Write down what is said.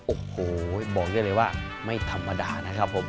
โอ้โหบอกได้เลยว่าไม่ธรรมดานะครับผม